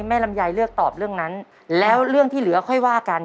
ลำไยเลือกตอบเรื่องนั้นแล้วเรื่องที่เหลือค่อยว่ากัน